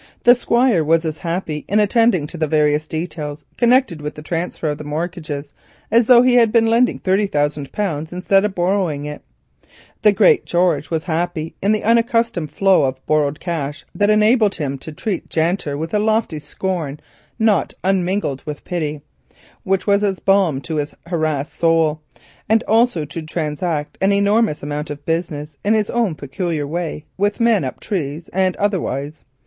The Squire was as happy in attending to the various details connected with the transfer of the mortgages as though he had been lending thirty thousand pounds instead of borrowing them. The great George was happy in the accustomed flow of cash, that enabled him to treat Janter with a lofty scorn not unmingled with pity, which was as balm to his harassed soul, and also to transact an enormous amount of business in his own peculiar way with men up trees and otherwise.